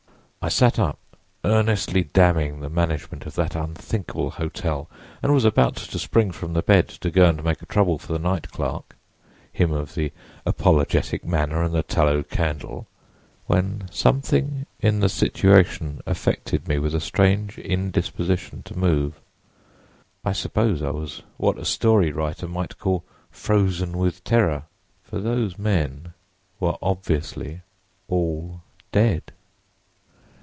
I sat up, earnestly damning the management of that unthinkable hotel, and was about to spring from the bed to go and make trouble for the night clerk—him of the apologetic manner and the tallow candle—when something in the situation affected me with a strange indisposition to move. I suppose I was what a story writer might call 'frozen with terror.' For those men were obviously all dead!